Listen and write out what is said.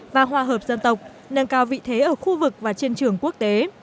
và hòa hợp dân tộc nâng cao vị thế ở khu vực và trên trường quốc tế